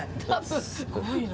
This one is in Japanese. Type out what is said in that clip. すごいな。